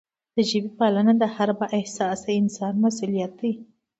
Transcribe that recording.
د ژبې پالنه د هر با احساسه انسان مسؤلیت دی.